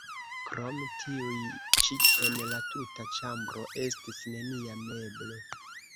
Krom tiuj ĉi en la tuta ĉambro estis nenia meblo.